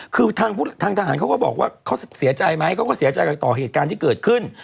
คือทางทหารเขาก็บอกว่าเขาเสียใจไหมเขาก็เสียใจกับต่อเหตุการณ์ที่เกิดขึ้น